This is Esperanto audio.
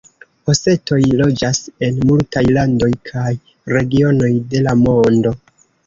Osetoj loĝas en multaj landoj kaj regionoj de la mondo.